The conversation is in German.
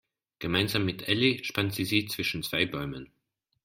Gemeinsam mit Elli spannt sie sie zwischen zwei Bäumen.